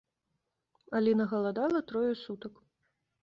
Аліна галадала трое сутак.